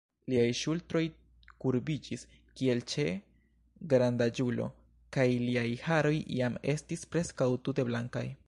Liaj ŝultroj kurbiĝis, kiel ĉe grandaĝulo, kaj liaj haroj jam estis preskaŭ tute blankaj.